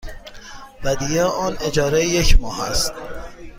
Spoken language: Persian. ودیعه آن اجاره یک ماه است.